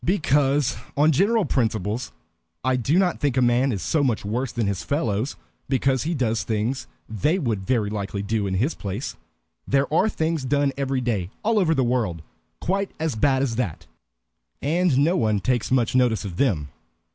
"Because, on general principles, I do not think a man is so much worse than his fellows because he does things they would very likely do in his place. There are things done every day, all over the world, quite as bad as that, and no one takes much notice of them.